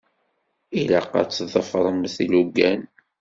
Ilaq ad tḍefṛemt ilugan.